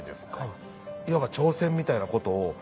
いわば挑戦みたいなことを。